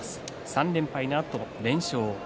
３連敗のあと連勝です。